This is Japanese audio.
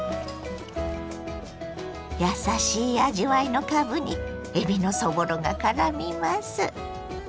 やさしい味わいのかぶにえびのそぼろがからみます。